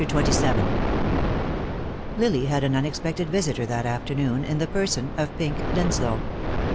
CHAPTER XXVII Lily had an unexpected visitor that afternoon, in the person of Pink Denslow.